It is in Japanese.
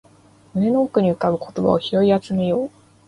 胸の奥に浮かぶ言葉を拾い集めよう